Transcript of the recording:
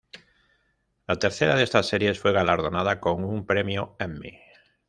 La tercera de estas series fue galardonada con un premio Emmy.